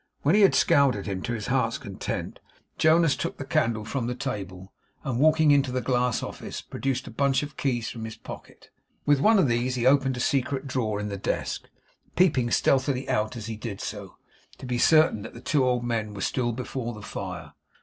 When he had scowled at him to his heart's content, Jonas took the candle from the table, and walking into the glass office, produced a bunch of keys from his pocket. With one of these he opened a secret drawer in the desk; peeping stealthily out, as he did so, to be certain that the two old men were still before the fire.